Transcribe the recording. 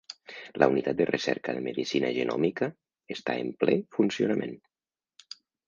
La unitat de recerca de medicina genòmica està en ple funcionament